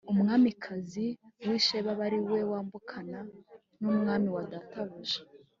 umwamikazi w’i sheba abe ari we wambukana n’umwami databuja